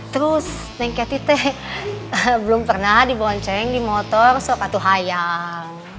terus neng kerti teh belum pernah dibonceng di motor sobatu hayang